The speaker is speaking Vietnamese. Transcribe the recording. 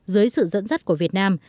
dưới sự dẫn dắt của việt nam